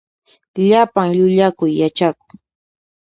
Llapan llullakuy yachakun.